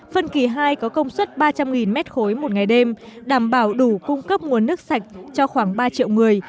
phân kỳ hai có công suất ba trăm linh m ba một ngày đêm đảm bảo đủ cung cấp nguồn nước sạch cho khoảng ba triệu người